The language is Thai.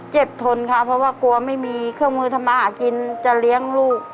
ทนค่ะเพราะว่ากลัวไม่มีเครื่องมือทำมาหากินจะเลี้ยงลูก